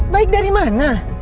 baik dari mana